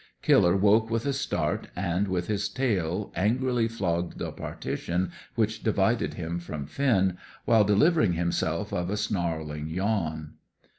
Killer woke with a start and, with his tail, angrily flogged the partition which divided him from Finn, while delivering himself of a snarling yawn.